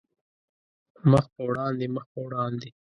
مخ په وړاندې، مخ په وړاندې